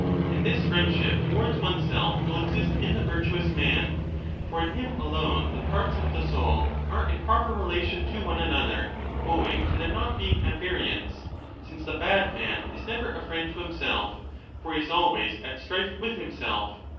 And this friendship towards oneself will exist in the virtuous man ; for in him alone the parts of the soul are in proper relation to one another owing to their not being at variance, since the bad man is never a friend to himself, for he is always at strife with 40 himself.